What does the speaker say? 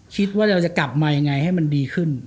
คิดว่าเราจะกลับมายังไงให้มันดีขึ้น